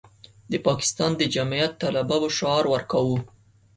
د پاکستان د جمعیت طلبه به شعار ورکاوه.